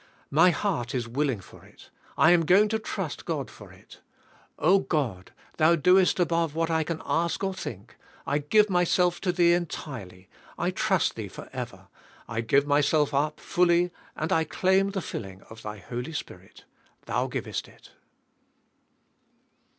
My heart is willing for it; I am going to trust God for it. Oh, God, Thou doest above what I can ask or think, I give myself to Thee entirely, I trust Thee forever, I give myself up fully and I claim the filling of the Holy Spirit. Thou givest it.